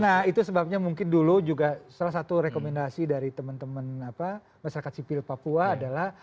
nah itu sebabnya mungkin dulu juga salah satu rekomendasi dari teman teman masyarakat sipil papua adalah